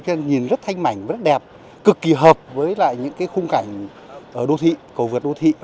cho nên nhìn rất thanh mảnh rất đẹp cực kỳ hợp với những khung cảnh ở đô thị cầu vượt đô thị